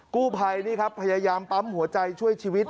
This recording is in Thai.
กู้ภัยนี่ครับพยายามปั๊มหัวใจช่วยชีวิต